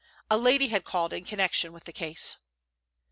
A lady had called in connection with the case.